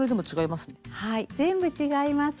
はい全部違います。